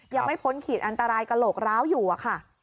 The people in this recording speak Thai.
พ้นขีดอันตรายกระโหลกร้าวอยู่อะค่ะ